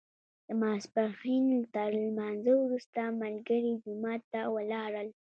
د ماسپښین تر لمانځه وروسته ملګري جومات ته ولاړل.